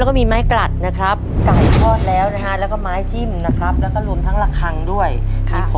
ข้อนี้ครับโอ้โฮ